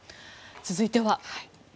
続いては。